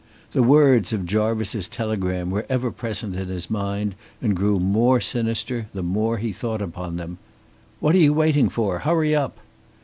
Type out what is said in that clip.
The words of Jarvice's telegram were ever present in his mind, and grew more sinister, the more he thought upon them. "What are you waiting for? Hurry up!"